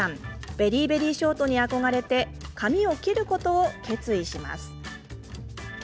ベリーベリーショートに憧れて髪を切ることを決意します。